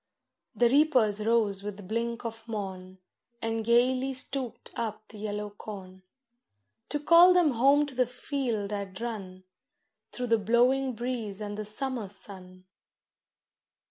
The reapers rose with the blink of morn, And gaily stook'd up the yellow corn; To call them home to the field I'd run, Through the blowing breeze and the summer sun.